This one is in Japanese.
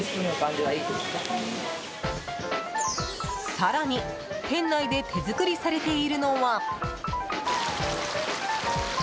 更に店内で手作りされているのは。